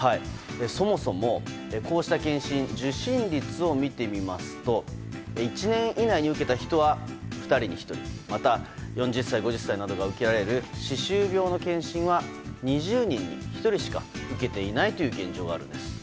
そもそも、こうした検診受診率を見てみますと１年以内に受けた人は２人に１人また、４０歳、５０歳などが受けられる歯周病の検診は２０人に１人しか受けていないという現状があるんです。